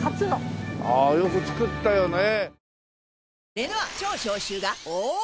ああよく造ったよねえ。